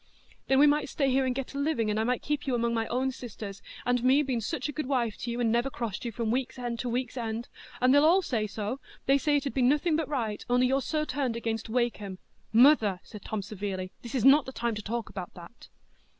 "Then we might stay here and get a living, and I might keep among my own sisters,—and me been such a good wife to you, and never crossed you from week's end to week's end—and they all say so—they say it 'ud be nothing but right, only you're so turned against Wakem." "Mother," said Tom, severely, "this is not the time to talk about that."